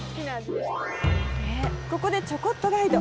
ここで「ちょこっとガイド」